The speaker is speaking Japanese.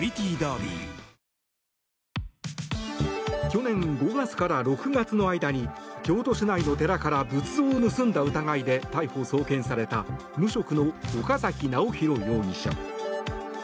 去年５月から６月の間に京都市内の寺から仏像を盗んだ疑いで逮捕・送検された無職の岡崎尚弘容疑者。